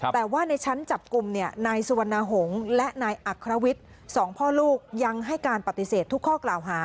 แต่ว่าในชั้นจับกลุ่มนายสุวรรณหงษ์และนายอัครวิทย์สองพ่อลูกยังให้การปฏิเสธทุกข้อกล่าวหา